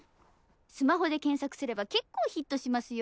スマホで検索すれば結構ヒットしますよ？